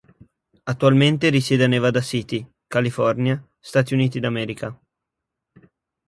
Attualmente risiede a Nevada City, California, Stati Uniti d'America.